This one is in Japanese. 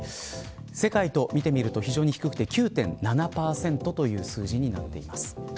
世界と見てみると非常に低くて９．７％という数字になっています。